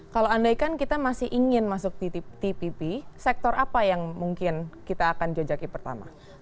kalau andaikan kita masih ingin masuk tpp sektor apa yang mungkin kita akan jojaki pertama